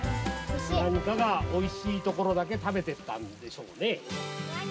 何かがおいしいところだけ食べていったんでしょうね。